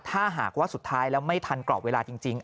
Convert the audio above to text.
ถ้าหากว่าสุดท้ายแล้วไม่ทันกรอบเวลาจริง